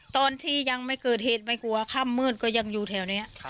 ตอนที่ยังไม่เกิดเหตุไม่กลัวค่ำมืดก็ยังอยู่แถวนี้